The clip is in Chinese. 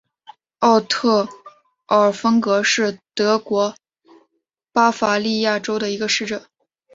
奥特尔芬格是德国巴伐利亚州的一个市镇。